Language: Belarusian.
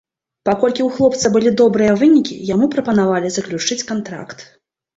Паколькі ў хлопца былі добрыя вынікі, яму прапанавалі заключыць кантракт.